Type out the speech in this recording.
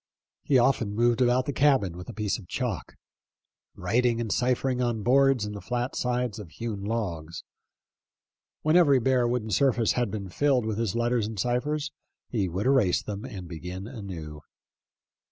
He often moved about the cabin with a piece of chalk, writing and cipher ing on boards and the flat sides of hewn logs. When every bare wooden surface had been filled with his letters and ciphers he would erase them and begin anew.